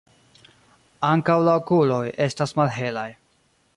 Ankaŭ la okuloj estas malhelaj.